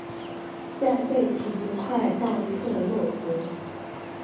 再被秦桧弹劾落职。